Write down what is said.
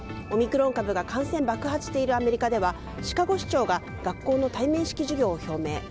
オミクロン株が感染爆発しているアメリカではシカゴ市長が学校の対面式授業を表明。